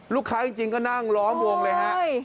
ลูกค้าจริงก็นั่งร้อมวงเลยครับ